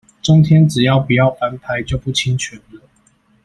中天只要不要翻拍就不侵權了